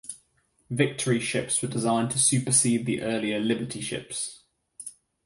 Victory ships were designed to supersede the earlier Liberty ships.